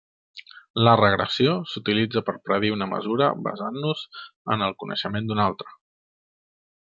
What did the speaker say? La regressió s'utilitza per predir una mesura basant-nos en el coneixement d'una altra.